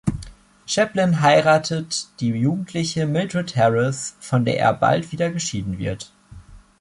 Chaplin heiratet die jugendliche Mildred Harris, von der er bald wieder geschieden wird.